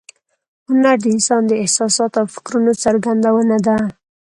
هنر د انسان د احساساتو او فکرونو څرګندونه ده